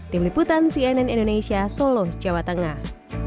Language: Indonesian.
tim liputan cnn indonesia solo jawa tengah